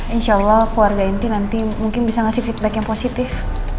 insya allah keluarga inti nanti mungkin bisa ngasih feedback yang positif